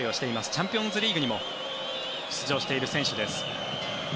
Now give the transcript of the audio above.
チャンピオンズリーグにも出場している選手です。